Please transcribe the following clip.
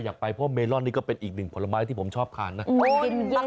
ไปเพราะเมลอนนี่ก็เป็นอีกหนึ่งผลไม้ที่ผมชอบทานนะ